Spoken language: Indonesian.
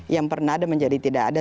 yang pernah ada menjadi tidak ada